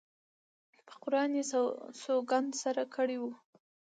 په قرآن یې سوګند سره کړی وو.